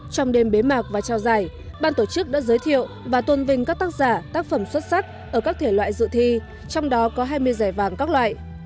trong đêm bế mạc và trao giải ban tổ chức đã giới thiệu và tôn vinh các tác giả tác phẩm xuất sắc ở các thể loại dự thi trong đó có hai mươi giải vàng các loại